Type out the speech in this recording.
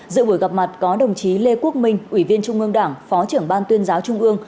dự buổi gặp mặt có đồng chí lê quốc minh ủy viên trung ương đảng phó trưởng ban tuyên giáo trung ương